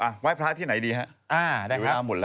อ่ะว่ายพระที่ไหนดีครับ